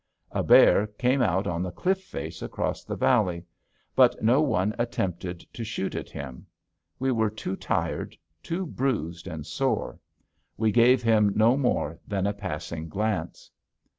A bear came out on the cliff face across the valley. But no one attempted to shoot at him. We were too tired, too bruised and sore. We gave him no more than a passing glance.